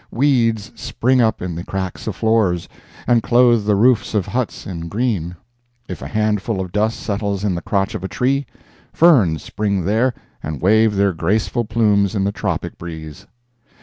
Weeds spring up in the cracks of floors, and clothe the roofs of huts in green; if a handful of dust settles in the crotch of a tree, ferns spring there and wave their graceful plumes in the tropic breeze.